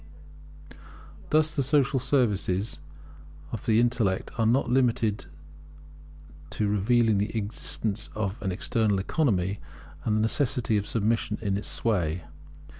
Thus the social services of the Intellect are not limited to revealing the existence of an external Economy, and the necessity of submission to its sway.